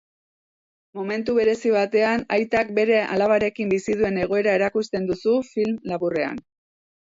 Momentu berezi batean aitak bere alabarekin bizi duen egoera erakusten duzu film laburrean.